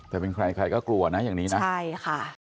แต่เป็นใครใครก็กลัวนะอย่างนี้นะใช่ค่ะ